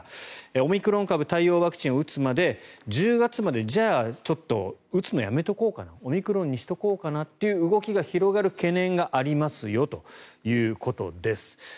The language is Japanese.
オミクロン株対応ワクチンを打つまで、１０月までじゃあ、ちょっと打つのやめておこうかなオミクロンにしておこうかなという動きが広がる懸念がありますよということです。